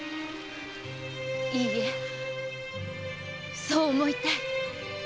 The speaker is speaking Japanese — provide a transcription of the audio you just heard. いいえそう思いたい！